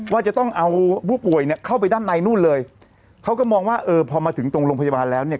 ว่าจะต้องเอาผู้ป่วยเนี่ยเข้าไปด้านในนู่นเลยเขาก็มองว่าเออพอมาถึงตรงโรงพยาบาลแล้วเนี่ย